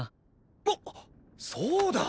あっそうだ！